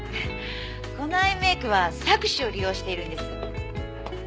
このアイメイクは錯視を利用しているんです。